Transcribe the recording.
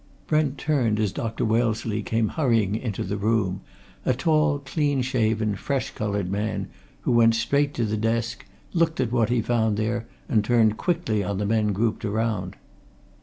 Brent turned as Dr. Wellesley came hurrying into the room; a tall, clean shaven, fresh coloured man, who went straight to the desk, looked at what he found there, and turned quickly on the men grouped around.